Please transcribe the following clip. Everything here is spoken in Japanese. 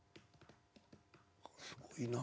すごいな。